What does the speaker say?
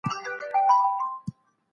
دښمن ته د ځان ټولولو وخت مه ورکوه.